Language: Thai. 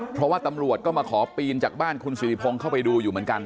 เพราะว่าตำรวจก็มาขอปีนจากบ้านคุณสิริพงศ์เข้าไปดูอยู่เหมือนกัน